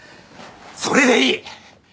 それでいい！